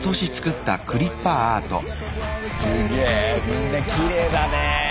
みんなきれいだねぇ。